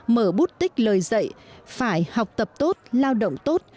mở bút tích lời dạy phải học tập tốt lao động tốt